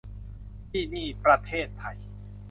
ที่นี่ประเทศไทย